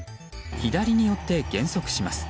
左に寄って減速します。